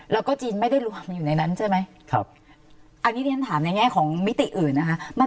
แล้วก็จีนไม่ได้รวมอยู่ในนั้นใช่ไหมครับอันนี้ที่ฉันถามในแง่ของมิติอื่นนะคะ